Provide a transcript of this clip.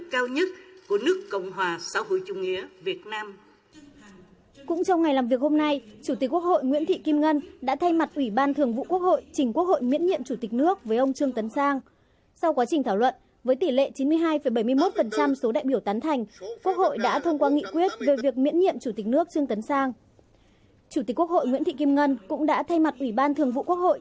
chủ tịch quốc hội nguyễn thị kim ngân cũng đã thay mặt ủy ban thường vụ quốc hội